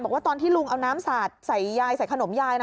ตอนที่ลุงเอาน้ำสาดใส่ยายใส่ขนมยายนะ